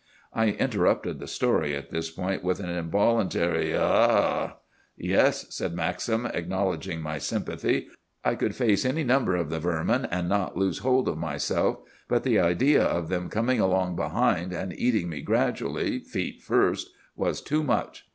"I interrupted the story at this point with an involuntary 'Ah—h—h!' "'Yes,' said Maxim, acknowledging my sympathy, 'I could face any number of the vermin, and not lose hold of myself; but the idea of them coming along behind, and eating me gradually, feet first, was too much.